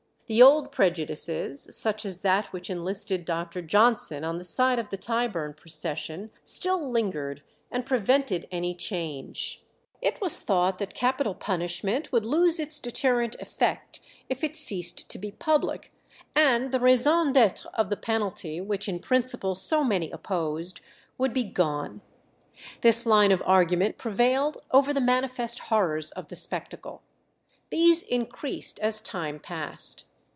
The old prejudices, such as that which enlisted Dr. Johnson on the side of the Tyburn procession, still lingered and prevented any change. It was thought that capital punishment would lose its deterrent effect if it ceased to be public, and the raison d'être of the penalty, which in principle so many opposed, would be gone. This line of argument prevailed over the manifest horrors of the spectacle. These increased as time passed.